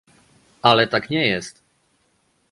Ale tak nie jest